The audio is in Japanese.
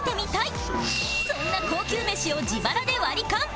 そんな高級飯を自腹でワリカン